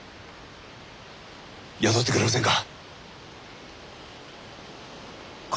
雇ってくれませんか？